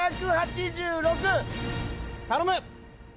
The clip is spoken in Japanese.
頼む！